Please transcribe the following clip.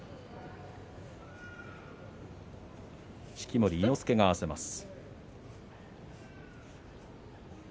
式守伊之助が合わせます。